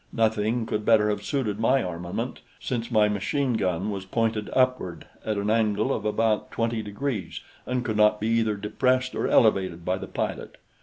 Nothing could better have suited my armament, since my machine gun was pointed upward at an angle of about 45 degrees and could not be either depressed or elevated by the pilot.